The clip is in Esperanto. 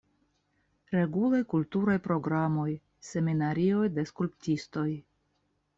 Regulaj kulturaj programoj, seminarioj de skulptistoj.